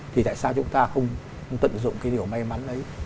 thì tại sao chúng ta không tận dụng cái điều may mắn đấy